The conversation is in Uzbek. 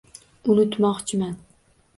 Unutmoqchiman.